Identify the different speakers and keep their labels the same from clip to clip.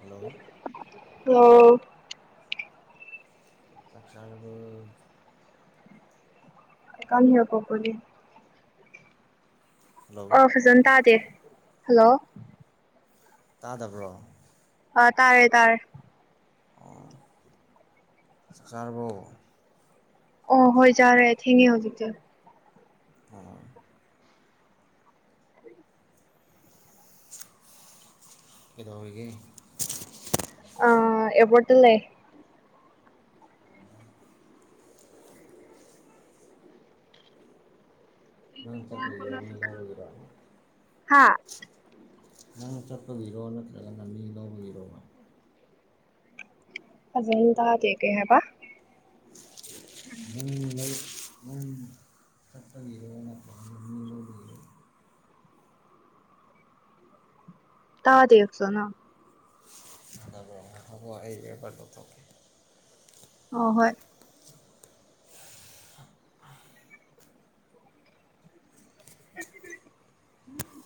Speaker 1: Hello
Speaker 2: ꯑꯣ
Speaker 1: ꯆꯁꯔꯕꯨ
Speaker 2: ꯀꯃꯤ ꯌ ꯀꯣꯄꯗꯤ ꯑ
Speaker 1: ꯍꯜꯂꯣ
Speaker 2: ꯐꯖꯅ ꯇꯥꯗꯦ ꯍꯜꯂꯣ
Speaker 1: ꯇꯥꯗꯕ꯭ꯔꯣ
Speaker 2: ꯑ ꯇꯥꯔꯦ ꯇꯥꯔꯦ
Speaker 1: ꯁꯀꯥꯔꯕꯨ
Speaker 2: ꯑꯣ ꯍꯣꯏ ꯆꯔꯦ ꯊꯦꯡꯉꯦ ꯍꯧꯖꯤꯛꯇꯤ
Speaker 1: ꯑ ꯀꯩꯗꯧ ꯑꯣꯏꯒꯦ
Speaker 2: ꯑ ꯑꯦꯕꯇ ꯂꯩꯦ
Speaker 1: ꯅ ꯆꯠꯂ ꯋꯥ ꯃ ꯂ ꯑꯣꯏꯒꯔ
Speaker 2: ꯍꯥ
Speaker 1: ꯅ ꯅ ꯆꯔ ꯍꯔꯣꯅꯠꯇ ꯃꯤꯗ ꯍꯔꯣꯅꯦ
Speaker 2: ꯐꯖꯦꯟꯗ ꯀꯦꯀꯦ ꯍꯥꯏꯕ
Speaker 1: ꯎꯝ ꯎꯝ ꯆꯠꯠꯇꯕꯤꯔꯣꯅꯄ ꯃꯤꯂꯣꯒꯔꯣ
Speaker 2: ꯇꯥꯗꯤ ꯑꯁꯣꯅ
Speaker 1: ꯍꯕ ꯑꯩꯕꯦ ꯄꯂ ꯇꯦ
Speaker 2: ꯑ ꯍꯣꯏ ꯎꯝ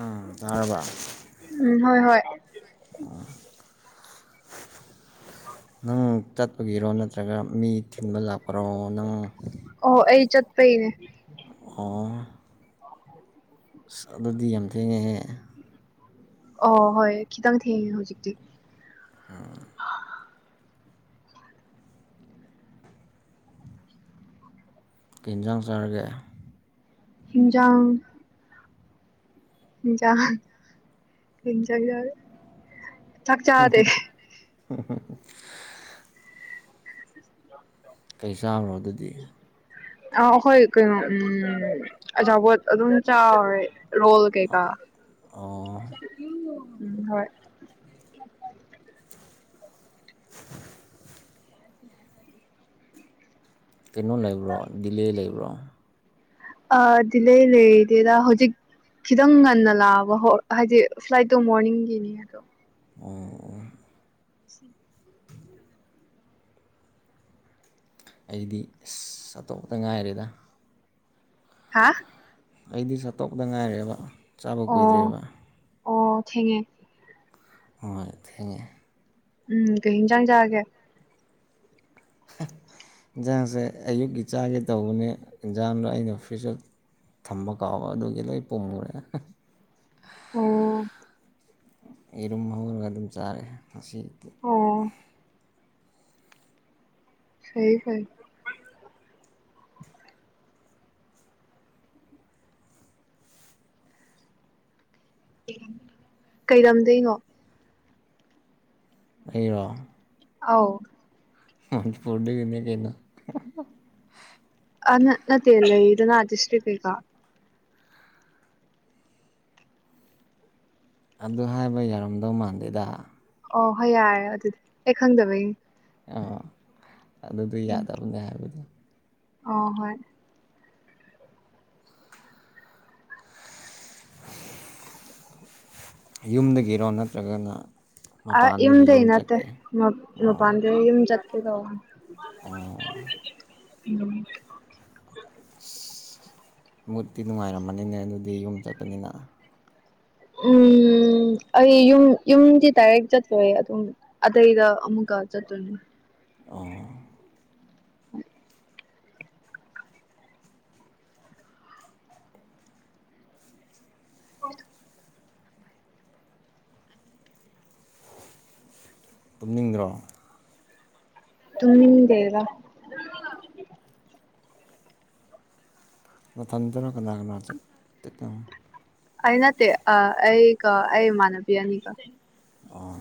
Speaker 1: ꯑ ꯇꯥꯔꯕ
Speaker 2: ꯍꯣꯏ ꯍꯣꯏ ꯎꯝ
Speaker 1: ꯅꯪ ꯆꯠꯄꯒꯤꯔꯣ ꯅꯠꯇ꯭ꯔꯒ ꯃꯤ ꯊꯤꯟꯕ ꯂꯥꯛꯄꯔꯣ ꯅꯪ
Speaker 2: ꯄꯩꯅꯦ
Speaker 1: ꯑꯣ ꯑꯗꯨꯗꯤ ꯌꯥꯝ ꯊꯦꯡꯉꯛꯍꯦ
Speaker 2: ꯑꯣ ꯍꯣꯏ ꯈꯤꯇꯪ ꯊꯦꯡꯉꯦ ꯍꯧꯖꯤꯛꯇꯤ
Speaker 1: ꯑ ꯀꯤꯟꯖꯥꯡ ꯆꯔꯒꯦ
Speaker 2: ꯖꯥꯎ ꯆꯗ ꯆꯖꯗ
Speaker 1: ꯍ ꯀ ꯆꯥꯕ꯭ꯔꯣ ꯑꯗꯨꯗꯤ
Speaker 2: ꯑ ꯑꯩꯈꯣꯏ ꯀꯩꯅꯣ ꯎ ꯑꯆꯥꯥꯄꯣꯠ ꯑꯗꯨꯝ ꯆꯥꯎꯔꯦ ꯔꯣꯜ ꯀꯦꯀꯥ
Speaker 1: ꯑꯣ
Speaker 2: ꯎꯝ ꯍꯣꯏ
Speaker 1: ꯀꯩꯅꯣ ꯂꯩꯕ꯭ꯔꯣ ꯗꯤꯂꯦ ꯂꯩꯕ꯭ꯔꯣ
Speaker 2: ꯑꯗꯤꯂ ꯂꯩꯗꯦꯔ ꯍꯧꯖꯤꯛ ꯈꯤꯇꯪ ꯉꯟꯅ ꯂꯥꯛꯑꯕ ꯍ ꯍꯥꯏꯗꯤ ꯐ꯭ꯂꯥꯏꯠꯇꯣ ꯃꯣꯔꯅꯤꯡꯒꯤꯅꯤ ꯑꯗꯣ
Speaker 1: ꯑꯣ
Speaker 2: ꯎ
Speaker 1: ꯑꯩꯗꯤ ꯆꯥꯊꯣꯛꯞꯇ ꯉꯥꯏꯔꯦꯗ
Speaker 2: ꯍꯥ
Speaker 1: ꯑꯩꯗꯤ ꯁꯠꯇꯣꯛꯇ ꯉꯥꯏꯔꯦꯕ ꯆꯥꯕ
Speaker 2: ꯑꯣ
Speaker 1: ꯀꯨꯏꯗ꯭ꯔꯦꯕ
Speaker 2: ꯑꯣ ꯊꯦꯡꯉꯦ
Speaker 1: ꯃ ꯊꯦ
Speaker 2: ꯎꯝ ꯀꯩ ꯌꯦꯟꯁꯥꯡ ꯆꯥꯛꯑꯒꯦ
Speaker 1: ꯏꯟꯁꯥꯡꯁꯦ ꯑꯌꯨꯛꯀꯤ ꯆꯥꯒꯦ ꯇꯧꯕꯅꯦ ꯏꯟꯖꯥꯡꯗꯣ ꯑꯩꯅ ꯑꯣꯐꯤꯁꯇ ꯊꯝꯕ ꯀꯥꯎꯕ ꯑꯗꯨꯒꯤ ꯂꯣꯏ ꯄꯣꯉꯨꯔꯦ
Speaker 2: ꯑꯣ
Speaker 1: ꯌꯦꯔꯨꯝ ꯍꯧꯔꯒ ꯑꯗꯨꯝ ꯆꯥꯔꯦ ꯉꯁꯤꯗꯤ
Speaker 2: ꯑꯣ ꯁꯩ ꯐꯥꯏ ꯀꯩꯔꯝꯗꯣꯏꯉꯣ
Speaker 1: ꯑꯩꯔꯣ
Speaker 2: ꯑꯧ
Speaker 1: ꯍꯗ ꯐꯣꯗꯦ ꯀ ꯀꯩꯅ
Speaker 2: ꯑꯅ ꯅꯠꯇꯦꯔ ꯂꯩ ꯏ ꯅ ꯑꯇꯤꯁ꯭ ꯀꯦꯀ
Speaker 1: ꯑꯗꯨ ꯍꯥꯏꯕ ꯌꯥꯔꯝꯗꯧ ꯃꯥꯟꯗꯦꯗ
Speaker 2: ꯑꯣ ꯍꯣꯏ ꯌꯥꯔꯦ ꯑꯗꯨꯗꯤ ꯑꯩ ꯈꯪꯗꯕꯩꯅꯦ
Speaker 1: ꯑꯥ ꯑꯗꯨꯗꯤ ꯌꯥꯗꯕꯅꯦ ꯍꯥꯏꯕꯗꯣ
Speaker 2: ꯑ ꯍꯣꯏ
Speaker 1: ꯌꯨꯝꯗꯒꯤꯔꯣ ꯅꯠꯇ꯭ꯔꯒꯅ
Speaker 2: ꯑ
Speaker 1: ꯃꯄꯥꯟꯗꯒꯤ
Speaker 2: ꯏꯝꯗ
Speaker 1: ꯌꯨꯝ
Speaker 2: ꯅꯠꯇ
Speaker 1: ꯆꯠꯀꯦ
Speaker 2: ꯃ
Speaker 1: ꯑꯣ
Speaker 2: ꯄꯥꯟꯗ ꯏ ꯆꯠꯀ ꯀ
Speaker 1: ꯑꯣ
Speaker 2: ꯎ
Speaker 1: ꯃꯨꯠꯇꯤ ꯅꯨꯡꯉꯥꯏꯔꯝꯃꯅꯤꯅꯦ ꯑꯗꯨꯗꯤ ꯌꯨꯝ ꯆꯠꯄꯅꯤꯅ
Speaker 2: ꯎꯝ ꯑꯩ ꯌꯨꯝ ꯌꯨꯝꯗꯤ ꯗꯥꯏꯔꯦꯛ ꯆꯠꯇꯣꯏꯦ ꯑꯗꯨꯝ ꯑꯗꯇꯩꯗ ꯑꯃꯨ ꯀꯥꯖ ꯇꯅ
Speaker 1: ꯑꯣ
Speaker 2: ꯎꯝ ꯍ
Speaker 1: ꯇꯨꯝꯅꯤꯡꯗ꯭ꯔꯣ
Speaker 2: ꯇꯨꯃꯤ ꯂꯩꯗ
Speaker 1: ꯅꯊꯟꯇꯔ ꯀꯅꯥ ꯀꯅꯥ ꯆ ꯆꯠꯇꯪ
Speaker 2: ꯑꯩ ꯅꯠꯇꯦ ꯑ ꯑꯩꯒ ꯑꯩ ꯏꯃꯥꯟꯅꯕꯤ ꯑꯅꯤꯒ
Speaker 1: ꯑꯣ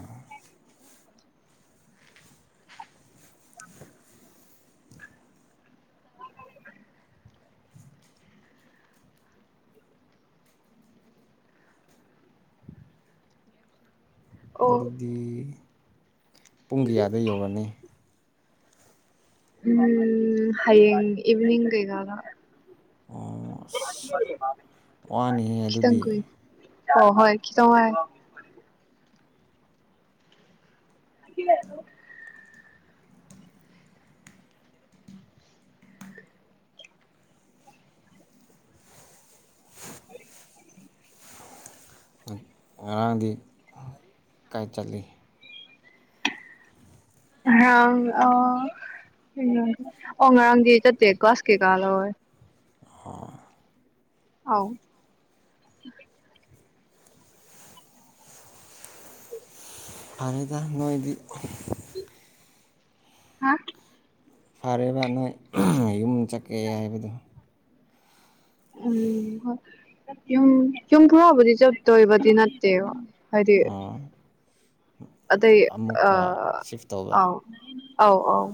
Speaker 2: ꯑꯣ
Speaker 1: ꯑꯗꯨꯗꯤ ꯄꯨꯡ ꯀꯌꯥꯗ ꯌꯧꯔꯅꯤ
Speaker 2: ꯎꯝ ꯍꯌꯦꯡꯡ ꯏꯚꯅꯤꯡꯩ ꯀꯗ
Speaker 1: ꯑꯣ ꯑꯁ ꯋꯥꯅꯤꯍ
Speaker 2: ꯈꯤꯇꯪ
Speaker 1: ꯑꯗꯨꯗꯤ
Speaker 2: ꯀꯨꯏ ꯑꯣ ꯍꯣꯏ ꯀꯗꯥꯏ ꯃ ꯌꯥꯥꯏꯅꯣ
Speaker 1: ꯉꯔꯥꯡꯗꯤ ꯀꯥꯏ ꯆꯠꯂꯤ
Speaker 2: ꯑ ꯑꯣ ꯎꯝ ꯑꯣꯉꯔꯥꯡꯗꯤ ꯆꯠꯇꯦ ꯀꯣꯥꯁ ꯀꯦꯀꯥꯂꯣꯏ
Speaker 1: ꯑ
Speaker 2: ꯑꯥꯎ
Speaker 1: ꯑꯂꯣꯏꯗ ꯅꯗꯤ
Speaker 2: ꯍꯥ
Speaker 1: ꯐꯔꯦꯕ ꯅꯣꯏ ꯌꯨꯝ ꯆꯠꯀꯦ ꯍꯥꯏꯕꯗꯣ
Speaker 2: ꯎꯝ ꯌꯨꯝ ꯌꯨꯝ ꯄꯨꯔ ꯍꯕꯗꯤ ꯆ ꯇꯣꯏꯕ ꯇ ꯅꯇꯩ ꯍꯥꯏꯗꯤ
Speaker 1: ꯑꯣ
Speaker 2: ꯑꯗꯩ ꯑ
Speaker 1: ꯑꯃꯨꯛꯀ ꯁꯤꯐ ꯇꯧꯕ
Speaker 2: ꯑꯥꯎ ꯑꯥꯎ ꯑꯥꯎ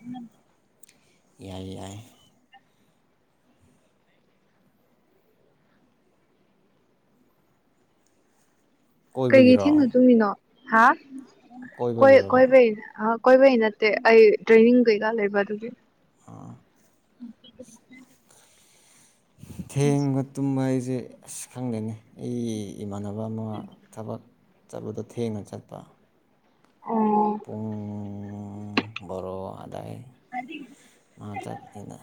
Speaker 2: ꯎꯝ
Speaker 1: ꯏꯏꯥꯏ
Speaker 2: ꯀꯩꯀꯩ
Speaker 1: ꯀꯣꯏꯕꯒꯤꯔꯣ
Speaker 2: ꯊꯦꯡꯅꯗꯣꯃꯤꯅꯣ ꯍꯥ
Speaker 1: ꯀꯣꯏꯕꯒꯤꯔꯕ
Speaker 2: ꯀꯣꯏꯕꯩ ꯀꯣꯏꯕꯩ ꯅꯠꯇꯦ ꯑꯩ ꯇ꯭ꯔꯦꯅꯤꯡ ꯀꯩꯀꯥ ꯂꯩꯕ ꯑꯗꯨꯒꯤ ꯎꯝ ꯊ
Speaker 1: ꯊꯦꯡꯕ ꯇꯨꯝꯕ ꯑꯩꯁꯦ ꯑꯁ ꯈꯪꯒꯅꯤ ꯑꯩ ꯏꯃꯥꯟꯅꯕ ꯊꯕ ꯑꯃ ꯊꯕꯛ ꯆꯠꯄꯗ ꯊꯦꯡꯅ ꯆꯠꯄ
Speaker 2: ꯑ
Speaker 1: ꯄꯨꯡ ꯣꯔꯣ ꯑꯗ ꯃꯥ ꯆꯠꯅ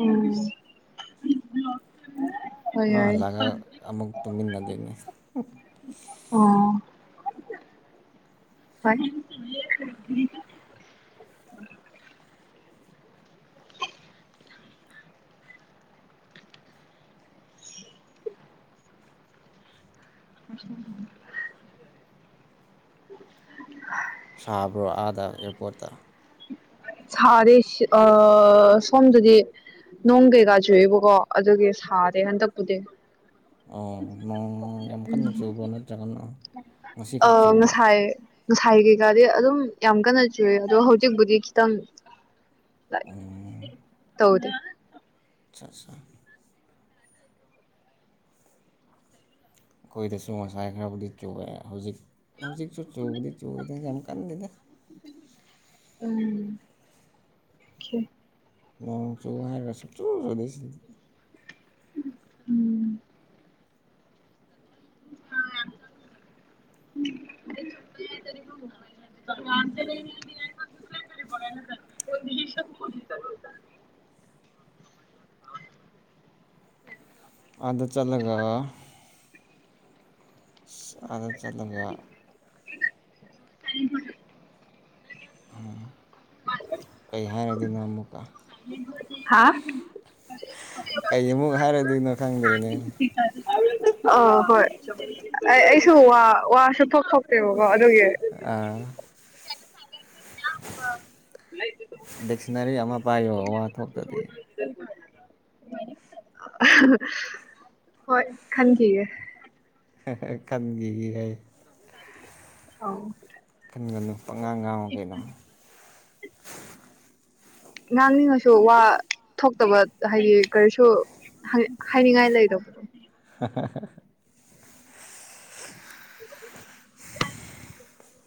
Speaker 2: ꯎꯝ ꯍꯣꯏ ꯌꯥꯏ
Speaker 1: ꯃꯥꯥꯡꯍꯜꯂꯒ ꯑꯃꯨꯛ ꯇꯨꯝꯃꯤꯟꯅꯗꯣꯏꯅꯤ
Speaker 2: ꯑꯣ ꯍ ꯎ ꯑ
Speaker 1: ꯁꯥꯕ꯭ꯔꯣ ꯑꯥꯗ ꯑꯦꯌꯥꯔꯄꯣꯔꯠꯇ
Speaker 2: ꯁꯔꯦ ꯑ ꯁꯗꯔꯤ ꯅꯣꯡ ꯀꯩꯀꯥ ꯆꯨꯏꯕꯀꯣ ꯑꯗꯨꯒꯤ ꯁꯥꯔꯦ ꯍꯟꯗꯛꯄꯨꯗꯤ
Speaker 1: ꯑꯣ ꯅꯣꯡ ꯌꯥꯝ ꯀꯟꯅ ꯆꯨꯕ꯭ꯔꯥ ꯅꯠꯇ꯭ꯔꯒꯅ ꯉꯁꯤꯈꯛ ꯆꯨꯕꯣ
Speaker 2: ꯒꯥꯗꯤ ꯑꯗꯨꯝ ꯌꯥꯝ ꯀꯟꯅ ꯆꯨꯏ ꯑꯗꯣ ꯍꯧꯖꯤꯛꯄꯨꯗꯤ ꯈꯤꯇꯪ ꯇꯧꯗ
Speaker 1: ꯑ ꯑꯠ ꯑꯩꯈꯣꯏꯗꯁꯨ ꯉꯁꯥꯏ ꯈꯔꯕꯨꯗꯤ ꯆꯣꯛꯑꯦ ꯍꯧꯖꯤꯛ ꯍꯧꯖꯤꯛꯁꯨ ꯆꯨꯕꯗꯤ ꯆꯨꯗ ꯌꯥꯝ ꯀꯟꯅꯗꯦꯗ
Speaker 2: ꯎꯝꯦ
Speaker 1: ꯅꯣꯡ ꯆꯨ ꯍꯥꯏꯔꯒ ꯁꯆꯗꯁꯤ
Speaker 2: ꯎꯝ ꯑ ꯌꯥꯝꯄ [inaudible] [unintelligible]
Speaker 1: [inaudible] [unintelligible] ꯑꯗꯨꯗ ꯆꯠꯂꯒ ꯑ ꯆꯂꯒꯦ
Speaker 2: ꯀ
Speaker 1: ꯎꯝ ꯀꯩ ꯍꯥꯏꯔꯗꯤꯅ ꯑꯃꯨꯛꯀ ꯀꯩꯃꯨꯛ ꯍꯥꯏꯔꯗꯣꯏꯅꯣ ꯈꯪꯗ꯭ꯔꯦꯅꯦ
Speaker 2: ꯑ ꯍꯣꯏ ꯑꯩꯁꯨ ꯋꯥ ꯋꯥꯁꯨ ꯊꯣꯛ ꯊꯣꯛꯣꯛꯇꯦꯕꯀꯣ
Speaker 1: ꯑ ꯗꯤꯛꯁꯅꯔꯤ ꯑꯃ ꯄꯥꯏꯌꯣ ꯑꯋꯥꯊꯣꯛꯇꯗꯤ
Speaker 2: ꯍꯣꯏ ꯈꯟꯈꯤꯒꯦ
Speaker 1: ꯈꯟꯈꯤꯈꯤ ꯍꯥꯏ
Speaker 2: ꯑ
Speaker 1: ꯂꯨꯄꯥ ꯑꯉꯥꯡ ꯉꯥꯡꯉ ꯀꯩꯅꯣ
Speaker 2: ꯉꯥꯡꯅꯤꯡꯉꯁꯨ ꯋꯥ ꯊꯣꯛꯇꯕ ꯍꯥꯏꯗꯤ ꯀꯔꯤꯁꯨ ꯍꯥꯏꯅꯤꯡꯉꯥꯏ ꯂꯩꯗꯧꯕꯗꯣ
Speaker 1: [inaudible]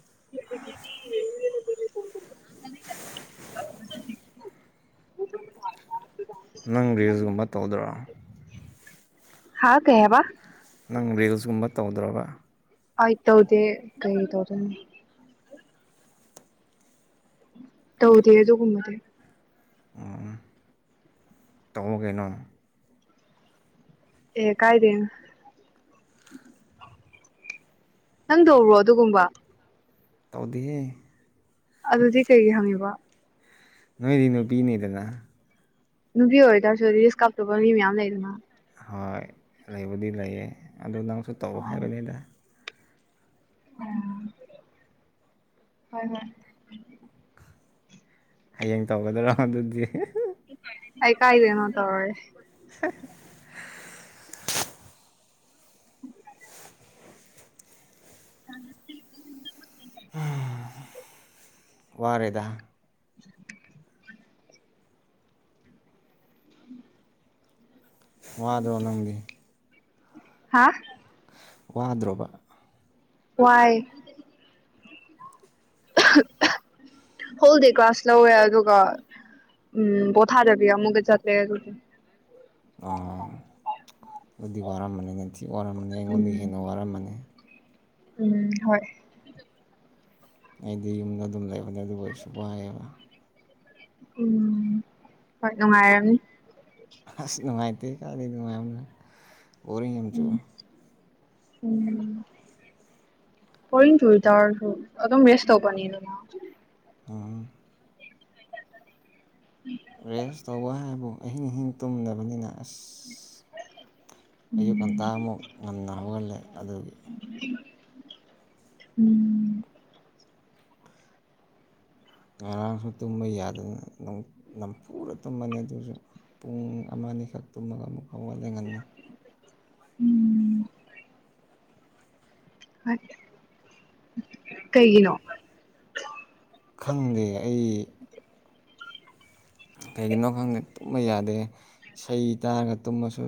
Speaker 1: [inaudible] [inaudible] ꯅꯪ ꯔꯤꯜꯁꯒꯨꯝꯕ ꯇꯧꯗꯣꯏꯔꯣ
Speaker 2: ꯍꯥꯥ ꯀꯌꯥꯕ
Speaker 1: ꯅꯪ ꯔꯤꯜꯁꯀꯨꯝꯕ ꯇꯧꯗ꯭ꯔꯕ
Speaker 2: ꯑꯥꯏ ꯇꯧꯗꯦ ꯀꯩꯗꯧꯔ ꯇꯧ ꯊꯒꯗꯒꯨꯝꯃꯗ
Speaker 1: ꯇꯧꯕꯒꯅꯣ
Speaker 2: ꯑꯦ ꯀꯥꯏꯗꯅ ꯅꯪꯗꯔꯣ ꯑꯗꯨꯒꯨꯝꯕ
Speaker 1: ꯇꯧꯗꯤꯌꯦ
Speaker 2: ꯑꯗꯨꯗꯤ ꯀꯩꯒꯤ ꯍꯪꯉꯤꯕ
Speaker 1: ꯅꯣꯏꯗꯤ ꯅꯨꯄꯤꯅꯤꯗꯅ
Speaker 2: ꯅꯨꯄꯤ ꯑꯣꯏꯇꯥꯔꯁꯨ ꯔꯤꯁ ꯀꯥꯞꯇꯣꯛꯄ ꯃꯤ ꯃꯌꯥꯝ ꯂꯩꯗꯅ
Speaker 1: ꯍꯣꯏ ꯂꯩꯕꯨꯗꯤ ꯂꯩꯌꯦ ꯑꯗꯣ ꯅꯪꯁꯨ ꯇꯧ ꯍꯥꯏꯕꯅꯤꯗ
Speaker 2: ꯎ ꯍꯣꯏ ꯍꯣꯏ
Speaker 1: ꯍꯌꯦꯡ ꯇꯧꯒꯗꯔꯣ ꯑꯗꯨꯗꯤ
Speaker 2: ꯑꯩ ꯀꯥꯏꯗꯦꯅꯣ ꯇꯔꯔꯦ
Speaker 1: [inaudible] ꯋꯥꯔꯦꯗ
Speaker 2: [inaudible] ꯎꯝ
Speaker 1: ꯋꯥꯗ ꯑꯅꯝꯒꯤ
Speaker 2: ꯍꯥꯥ
Speaker 1: ꯋꯥꯗ꯭ꯔꯕ
Speaker 2: ꯋꯥꯏ ꯍꯣꯜ ꯗ ꯀ꯭ꯂ ꯀ꯭ꯂꯥꯁ ꯂꯧꯋꯦ ꯑꯗꯨꯒ ꯎꯝ ꯀꯣꯊꯥꯗꯕꯤ ꯑꯃꯨꯛ ꯆꯠ ꯂꯩꯒꯦꯒ
Speaker 1: ꯑ ꯑꯗꯨꯗꯤ ꯋꯥꯔꯝꯕꯅꯤꯅ ꯊꯤ ꯋꯥꯔꯝꯃꯅꯤ ꯑꯩꯉꯣꯟꯗ
Speaker 2: ꯎꯝ
Speaker 1: ꯍꯦꯟꯅ ꯋꯥꯔꯃꯅꯤ
Speaker 2: ꯎꯝ ꯍꯣꯏ
Speaker 1: ꯑꯩꯗꯤ ꯌꯨꯝꯗ ꯑꯗꯨꯝ ꯂꯩꯕꯅꯦ ꯑꯗꯨꯕꯨ ꯑꯣꯏꯔꯁꯨ ꯋꯥꯏꯑꯕ
Speaker 2: ꯎꯝ ꯍꯣꯏ ꯅꯨꯡꯉꯥꯏꯔꯝꯅꯤ
Speaker 1: ꯑꯁ ꯅꯨꯡꯉꯥꯏꯇꯦ ꯀꯗꯤ ꯅꯨꯡꯉꯥꯏꯕꯅ ꯕꯣ ꯌꯥꯝꯆꯨ
Speaker 2: ꯎꯝ ꯎꯝ ꯄꯣꯏꯟ ꯇꯨ ꯇꯧꯔꯁꯨ ꯑꯗꯨꯝ ꯋꯦꯁ ꯇꯧꯕꯅꯤꯅ
Speaker 1: ꯎꯝ ꯔꯦꯁ ꯇꯧꯕ ꯍꯥꯏꯕꯨ ꯑꯍꯤꯡ ꯑꯍꯤꯡ ꯇꯨꯝꯗꯕꯅꯤꯅ ꯑꯁ ꯑꯌꯨꯛ
Speaker 2: ꯎꯝ
Speaker 1: ꯉꯟꯇꯥꯃꯨꯛ ꯉꯟꯅ ꯍꯧꯒꯜꯂꯦ ꯑꯗꯨꯒꯤ
Speaker 2: ꯎꯝ
Speaker 1: ꯉꯔꯥꯡꯁꯨ ꯇꯨꯝꯕ ꯌꯥꯗꯅ ꯅꯝ ꯄꯨꯔ ꯇꯨꯝꯃꯅꯤ ꯑꯗꯨꯁꯨ ꯄꯨꯡ ꯑꯃ ꯑꯅꯤ ꯁꯛꯛꯇꯨꯃ ꯑꯃꯨꯛꯥꯎꯋꯥ ꯂꯩ ꯉꯅ
Speaker 2: ꯎꯝ
Speaker 1: [unintelligible]
Speaker 2: ꯀꯩꯒꯤꯅꯣ
Speaker 1: ꯈꯪꯒꯦ ꯑꯩ ꯀꯩꯒꯤꯅꯣ ꯈꯪꯗꯦ ꯇꯨꯝꯕ ꯌꯥꯗꯦ ꯏꯁꯩ ꯇꯥꯔꯒ ꯇꯨꯝꯃꯁꯨ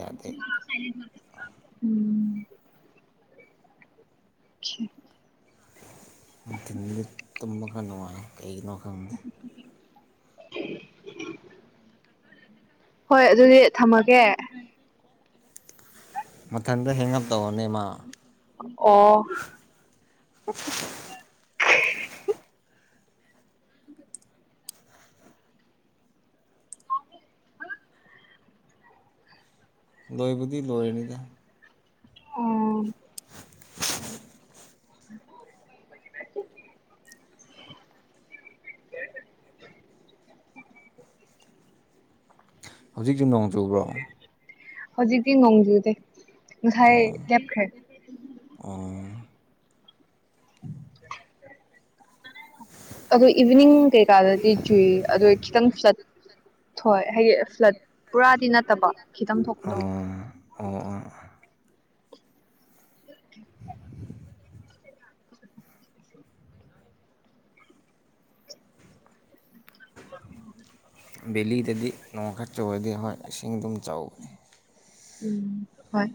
Speaker 1: ꯌꯥꯗꯦ
Speaker 2: ꯎꯝ ꯎ
Speaker 1: ꯅꯨꯡꯊꯤꯟꯗꯨꯗꯤ ꯇꯨꯝꯕ ꯈꯔ ꯅꯨꯡꯉꯥꯏ ꯀꯩꯒꯤꯅꯣ ꯈꯪꯗꯦ [unintelligible]
Speaker 2: ꯍꯣꯏ ꯑꯗꯨꯗꯤ ꯊꯝꯃꯒꯦ
Speaker 1: ꯃꯊꯟꯇ ꯍꯦꯡꯑꯞ ꯇꯧꯔꯅꯦꯃ
Speaker 2: ꯑꯣ
Speaker 1: ꯎ [unintelligible] ꯂꯣꯏꯕꯨꯗꯤ ꯂꯣꯏꯔꯅꯤꯗ
Speaker 2: ꯑꯣ
Speaker 1: [unintelligible] [inaudible] ꯍꯧꯖꯤꯛꯁꯨ ꯅꯣꯡ ꯆꯨꯕ꯭ꯔꯣ
Speaker 2: ꯍꯧꯖꯤꯛꯇꯤ ꯅꯣꯡꯖꯨꯗꯦ ꯉꯁꯥꯏ ꯂꯦꯞꯈ꯭ꯔꯦ꯫
Speaker 1: [inaudible]
Speaker 2: ꯑꯗꯣ ꯏꯚꯤꯅꯤꯡ ꯀꯩꯀꯥꯗꯗꯤ ꯆꯨꯏ ꯑꯗꯣ ꯈꯤꯇꯪꯠ ꯍꯣꯏ ꯍꯥꯏꯗꯤ ꯐ꯭ꯂꯠ ꯄꯨꯔꯥꯗꯤ ꯅꯠꯇꯕ ꯈꯤꯇꯪ ꯊꯣꯛꯄꯗꯣ
Speaker 1: ꯑꯣ ꯑꯣ ꯑꯣ [unintelligible] ꯕꯦꯂꯤꯗꯗꯤ ꯅꯣꯡ ꯈꯔ ꯆꯔꯗꯤ ꯍꯣꯏ ꯏꯁꯤꯡ ꯑꯗꯨꯝ ꯆꯥꯎꯕꯅꯤ
Speaker 2: ꯎꯝ ꯍꯣꯏ